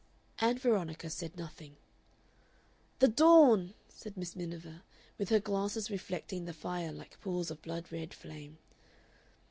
Ann Veronica said nothing. "The dawn!" said Miss Miniver, with her glasses reflecting the fire like pools of blood red flame.